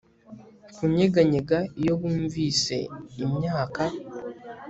Kunyeganyega iyo bumvise imyaka